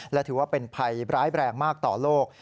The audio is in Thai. และถือว่าเป็นภัยร้ายแรงมากต่อโลก